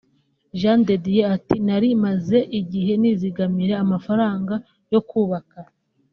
Jean de Dieu ati“Nari maze igihe nizigamira amafaranga yo kubaka